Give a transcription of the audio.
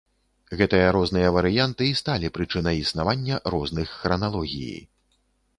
Гэтыя розныя варыянты і сталі прычынай існавання розных храналогіі.